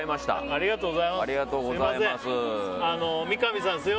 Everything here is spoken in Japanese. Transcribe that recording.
ありがとうございます。